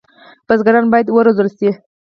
بزګران باید وروزل شي.